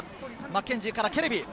マッケンジーからケレビ。